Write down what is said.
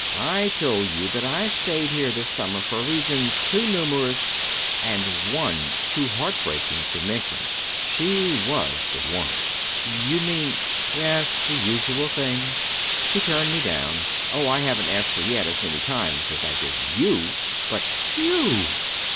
I told you that I stayed here this summer for reasons too numerous, and one too heart breaking, to mention. She was the one." "You mean " "Yes. The usual thing. She turned me down. Oh, I haven't asked her yet as many times as I did you, but " "_Hugh!